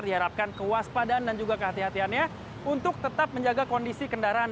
diharapkan kewaspadaan dan juga kehatiannya untuk tetap menjaga kondisi kendaraan